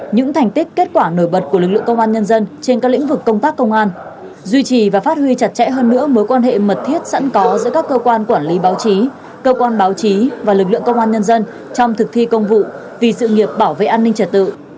những thành tích kết quả nổi bật của lực lượng công an nhân dân trên các lĩnh vực công tác công an duy trì và phát huy chặt chẽ hơn nữa mối quan hệ mật thiết sẵn có giữa các cơ quan quản lý báo chí cơ quan báo chí và lực lượng công an nhân dân trong thực thi công vụ vì sự nghiệp bảo vệ an ninh trật tự